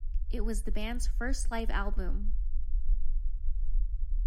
It was the band's first live album.